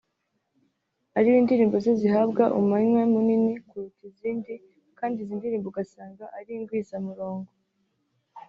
ariwe indirimbo ze zihabwa umanywa munini kuruta izindi kandi izi ndirimbo ugasanga ari ingwizamurongo